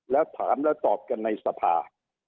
แล้วถามแล้วตอบกันในสภา